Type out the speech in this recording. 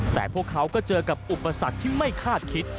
แต่พวกเขาก็เจอกับอุปสรรคที่ไม่คาดคิด